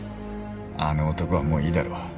あの男はもういいだろ。